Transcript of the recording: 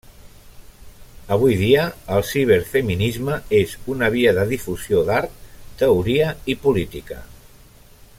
Avui dia, el Ciberfeminisme és un via de difusió d'art, teoria i política.